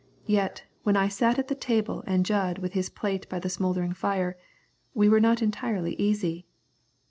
Yet, when I sat at the table and Jud with his plate by the smouldering fire, we were not entirely easy.